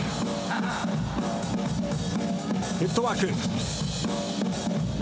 フットワーク。